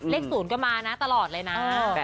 เลข๐ก็มานะตลอดเลยนะ